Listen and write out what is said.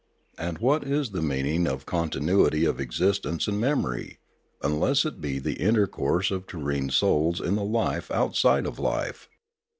And what is the meaning of continuity of existence and memory, unless it be the intercourse of terrene souls in the life outside of life